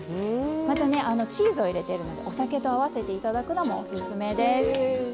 またねチーズを入れているのでお酒と合わせて頂くのもオススメです。